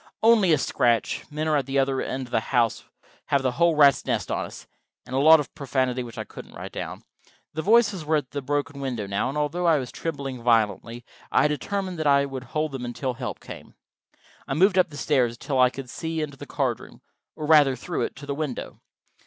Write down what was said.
"Only a scratch. ... Men are at the other end of the house. ... Have the whole rat's nest on us." And a lot of profanity which I won't write down. The voices were at the broken window now, and although I was trembling violently, I was determined that I would hold them until help came. I moved up the stairs until I could see into the card room, or rather through it, to the window.